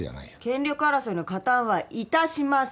権力争いの加担は致しません！